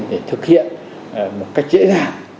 để thực hiện một cách dễ dàng